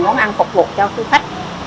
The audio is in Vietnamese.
món ăn phục vụ cho khu khách